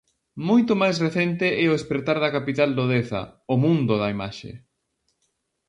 Moito máis recente é o espertar da capital do Deza ó mundo da imaxe.